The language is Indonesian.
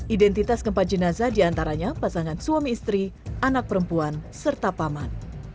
identitas keempat jenazah diantaranya pasangan suami istri anak perempuan serta paman